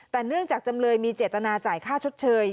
แต่เนื่องจากจำเลยมีเจตนาจ่ายค่าชดเชย